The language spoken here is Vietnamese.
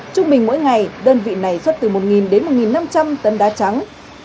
trung bình mỗi ngày đơn vị này xuất từ một đến một năm trăm linh tấn đá trắng